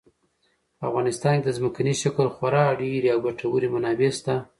په افغانستان کې د ځمکني شکل خورا ډېرې او ګټورې منابع شته.